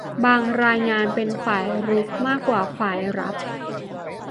บางงานต้องเป็นฝ่ายรุกมากกว่าฝ่ายรับ